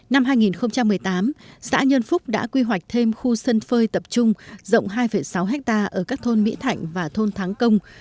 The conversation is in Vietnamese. năm hai nghìn một mươi tám xã nhân phúc đã quy hoạch thêm khu sân phơi tập trung rộng hai sáu ha ở các thôn mỹ thạnh và thôn thắng công